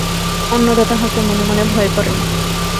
অন্নদা তাহাকে মনে মনে ভয় করেন।